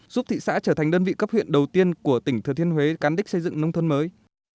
giúp thị xã trở thành đơn vị cấp huyện đầu tiên của tỉnh thừa thiên huế cán đích xây dựng nông thôn mới